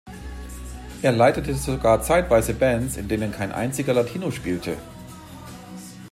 Er leitete sogar zeitweise Bands, in denen kein einziger Latino spielte.